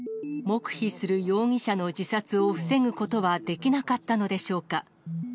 黙秘する容疑者の自殺を防ぐことはできなかったのでしょうか。